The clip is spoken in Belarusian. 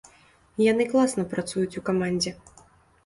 Яны класна працуюць у камандзе.